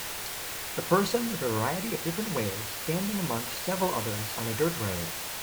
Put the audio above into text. A person with a variety of different wares standing amongst several others on a dirt road